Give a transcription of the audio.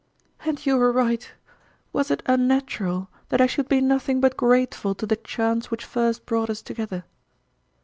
" And you were right ! "Was it unnatural that I should be nothing but grateful to the chance which first brought us together